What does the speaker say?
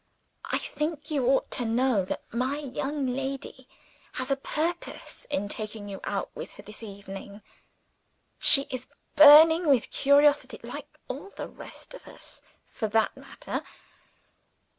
"I think you ought to know that my young lady has a purpose in taking you out with her this evening. She is burning with curiosity like all the rest of us for that matter.